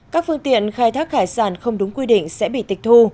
các phương tiện khai thác hải sản không đúng quy định sẽ bị tịch thu